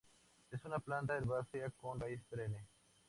Es una planta herbácea con raíz perenne.